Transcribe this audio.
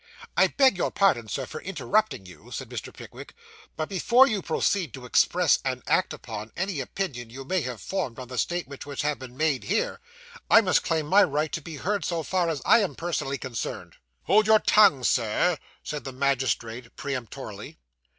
'I beg your pardon, sir, for interrupting you,' said Mr. Pickwick; 'but before you proceed to express, and act upon, any opinion you may have formed on the statements which have been made here, I must claim my right to be heard so far as I am personally concerned.' 'Hold your tongue, Sir,' said the magistrate peremptorily.